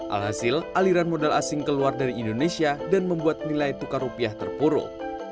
alhasil aliran modal asing keluar dari indonesia dan membuat nilai tukar rupiah terpuruk